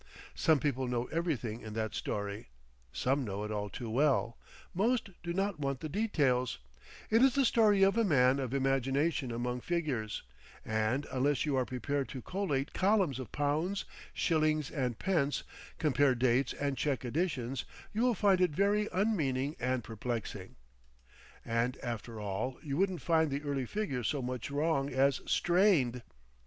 Some people know everything in that story, some know it all too well, most do not want the details, it is the story of a man of imagination among figures, and unless you are prepared to collate columns of pounds, shillings and pence, compare dates and check additions, you will find it very unmeaning and perplexing. And after all, you wouldn't find the early figures so much wrong as strained.